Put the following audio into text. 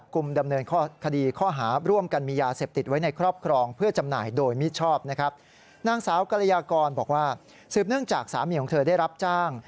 คือเนื่องจากสามีของเธอได้รับจ้าง